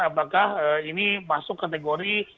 apakah ini masuk kategori